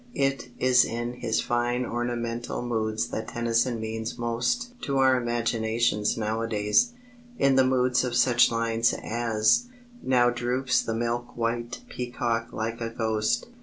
It is in his fine ornamental moods that Tennyson means most to our imaginations nowadays in the moods of such lines as: Now droops the milk white peacock like a ghost.